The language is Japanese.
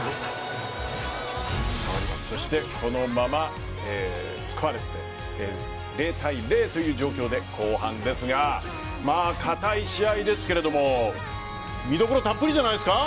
そして、このままスコアレスで０対０という状況で後半ですが堅い試合ですが見どころたっぷりじゃないですか？